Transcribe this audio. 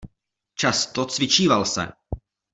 Často cvičíval se.